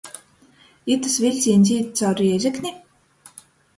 Itys viļcīņs īt caur Rēzekni?